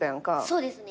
そうですね。